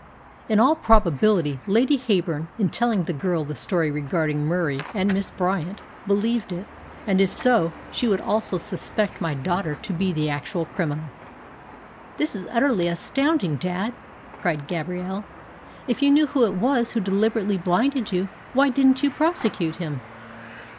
In all probability, Lady Heyburn, in telling the girl the story regarding Murie and Miss Bryant, believed it, and if so she would also suspect my daughter to be the actual criminal." "This is all utterly astounding, dad!" cried Gabrielle. "If you knew who it was who deliberately blinded you, why didn't you prosecute him?"